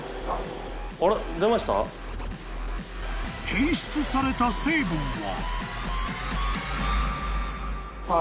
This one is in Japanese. ［検出された成分は］